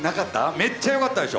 めっちゃ良かったでしょ。